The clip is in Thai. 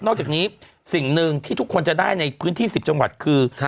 อกจากนี้สิ่งหนึ่งที่ทุกคนจะได้ในพื้นที่๑๐จังหวัดคือ